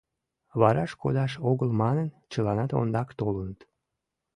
Вараш кодаш огыл манын, чыланат ондак толыныт.